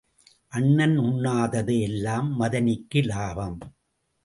அண்ணன் உண்ணாதது எல்லாம் மதனிக்கு லாபம்.